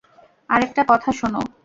আরেকটা কথা শোনো।